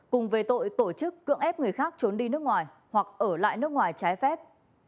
cùng về tội tổ chức cưỡng ép người khác trốn đi nước ngoài hoặc ở lại nước ngoài trái phép